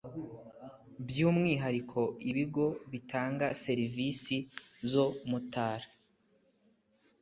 by umwihariko ibigo bitanga serivisi zo mutara